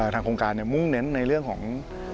ทางโครงการมุ่งเน้นในเรื่องของ